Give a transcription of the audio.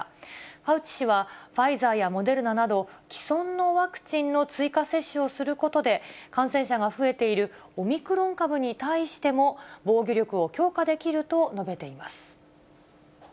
ファウチ氏は、ファイザーやモデルナなど、既存のワクチンの追加接種をすることで、感染者が増えているオミクロン株に対しても、防御力を強化できると述べています。